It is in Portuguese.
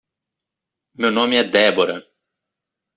Meu nome é Deborah.